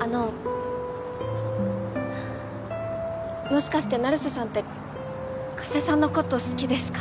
あのもしかして成瀬さんって加瀬さんのこと好きですか？